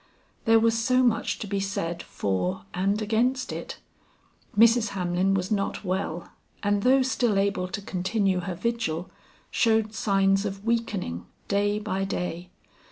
There was so much to be said for and against it. Mrs. Hamlin was not well, and though still able to continue her vigil, showed signs of weakening, day by day.